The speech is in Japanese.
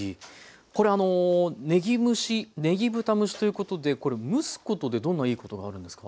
これあのねぎ蒸しねぎ豚蒸しということでこれ蒸すことでどんないいことがあるんですか？